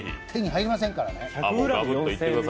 手に入りませんからね。